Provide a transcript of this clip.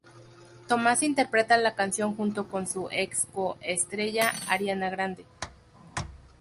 Thomas interpreta la canción junto con su ex co-estrella Ariana Grande.